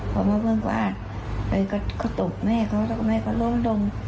เขามาพึ่งบ้านเลยก็เขาตบแม่เขาแล้วก็แม่เขาล้มดง